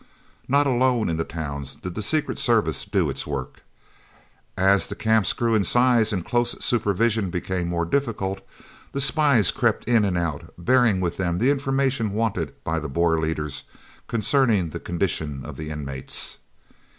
Not alone in the towns did the secret service do its work. As the camps grew in size and close supervision became more difficult, the spies crept in and out, bearing with them the information wanted by the Boer leaders, concerning the condition of the inmates.